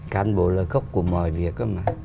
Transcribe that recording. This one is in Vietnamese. cán bộ là gốc của mọi việc